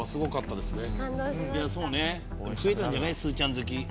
すーちゃん好き。